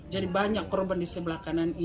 jadi banyak korban di sebelah kanan ini